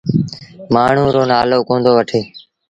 مآڻهوٚݩ رو نآلو ڪوندو وٺي۔